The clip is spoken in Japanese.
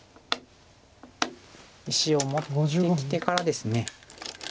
石を持ってきてからですね